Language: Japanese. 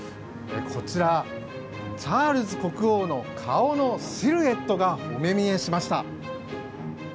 こちらチャールズ国王の顔のシルエットがお目見えしました。